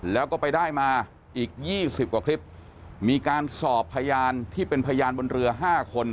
แล้วก็ไปได้มาอีก๒๐กว่าคลิปมีการสอบพยานที่เป็นพยานบนเรือ๕คน